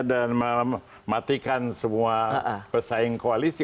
dan mematikan semua pesaing koalisi